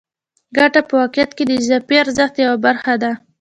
ګته په واقعیت کې د اضافي ارزښت یوه برخه ده